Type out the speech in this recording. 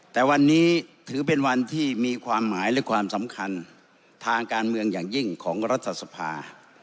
แต่วันนี้ถือเป็นวันที่มีความหมายและความสำคัญทางการเมืองอย่างยิ่งของรัฐสภา